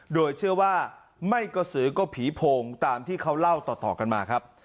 โดยเชื่อว่าไม่กระสือก็ผีโพงตามที่เขาเล่าต่อกันมาครับ